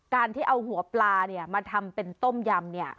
การที่เอาหัวปลามาทำเป็นต้มยำ